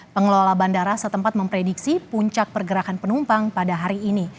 pengelola bandara setempat memprediksi puncak pergerakan penumpang pada hari ini